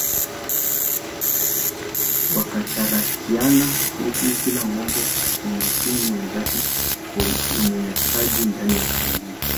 Wakatarakiana huku kila mmoja akimtuhumu mwenzake kwa Unyanyasaji ndani ya familia